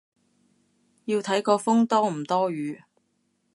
要睇個風多唔多雨